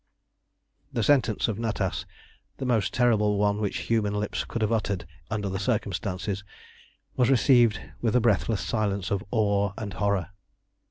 The sentence of Natas, the most terrible one which human lips could have uttered under the circumstances, was received with a breathless silence of awe and horror.